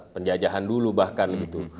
penjajahan dulu bahkan gitu